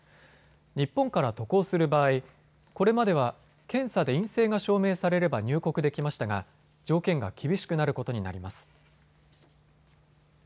日本から渡航する場合、これまでは検査で陰性が証明されれば入国できましたが条件が厳しくなることになります。